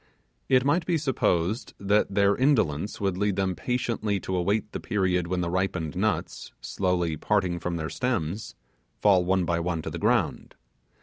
It might be supposed that their indolence would lead them patiently to await the period when the ripened nuts, slowly parting from their stems, fall one by one to the ground.